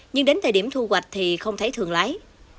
nhưng đến thời điểm thu hoạch thì không thấy thương lái